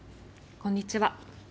こんにちは。